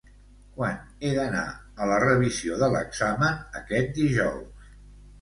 Quan he d'anar a la revisió de l'examen aquest dijous?